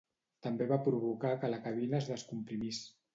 També va provocar que la cabina es descomprimís.